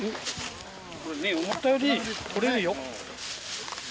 思ったより取れるよ。